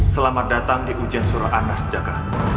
selamat datang di ujian surah anas jaka